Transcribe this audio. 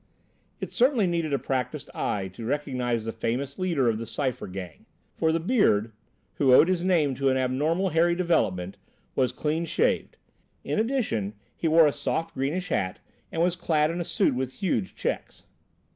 It certainly needed a practised eye to recognise the famous leader of the Cypher gang. For the Beard, who owed his name to an abnormal hairy development, was clean shaved; in addition, he wore a soft, greenish hat and was clad in a suit with huge checks.